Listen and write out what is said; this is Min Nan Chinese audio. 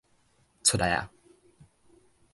出來矣